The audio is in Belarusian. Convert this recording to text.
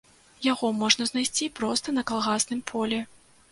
Яго можна знайсці проста на калгасным полі.